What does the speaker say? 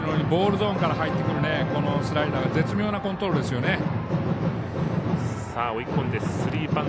ボールゾーンから入ってくるスライダーも絶妙なコントロールですよね。